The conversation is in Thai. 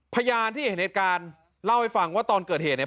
พยานที่เห็นเหตุการณ์เล่าให้ฟังว่าตอนเกิดเหตุเนี่ย